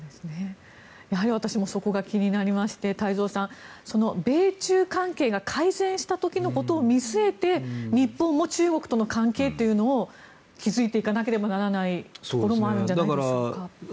やはり、私もそこが気になりまして太蔵さん、米中関係が改善した時のことを見据えて日本も中国との関係というのを築いていかなければならないところもあるんじゃないでしょうか。